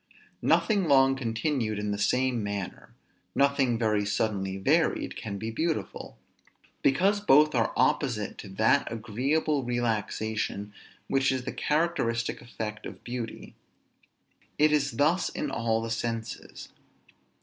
Nothing long continued in the same manner, nothing very suddenly varied, can be beautiful; because both are opposite to that agreeable relaxation which is the characteristic effect of beauty. It is thus in all the senses.